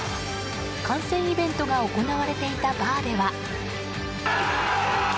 観戦イベントが行われていたバーでは。